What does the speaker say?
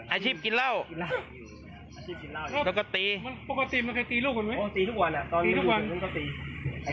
อาชีพกินเหล้าอย่างเดียวก็ตีปกติมือไปขี้ลูกไอ้ไอ้เป็นตอนนี้